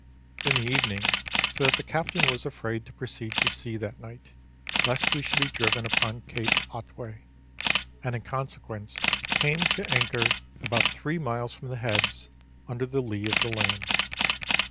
in the evening, so that the Captain was afraid to proceed to sea that night, lest we should be driven upon Cape Otway, and, in consequence, came to anchor about three miles from the Heads, under the lee of the land.